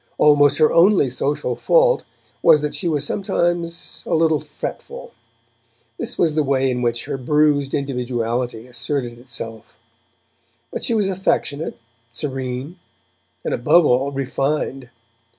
Almost her only social fault was that she was sometimes a little fretful; this was the way in which her bruised individuality asserted itself. But she was affectionate, serene, and above all refined.